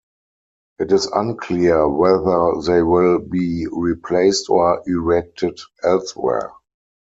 It is unclear whether they will be replaced or erected elsewhere.